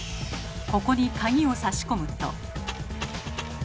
ここに鍵を差し込むと。